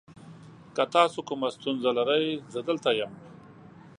که تاسو کومه ستونزه لرئ، زه دلته یم.